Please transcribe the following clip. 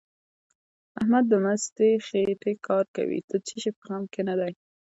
احمد د مستې خېټې کار کوي؛ د څه شي په غم کې نه دی.